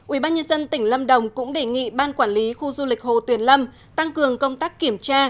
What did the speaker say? ubnd tỉnh lâm đồng cũng đề nghị ban quản lý khu du lịch hồ tuyền lâm tăng cường công tác kiểm tra